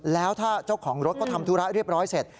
แล้วถ้าเจ้าของรถเขาทำธุระเรียบร้อยเสร็จ